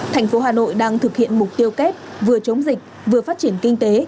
thành phố hà nội đang thực hiện mục tiêu kép vừa chống dịch vừa phát triển kinh tế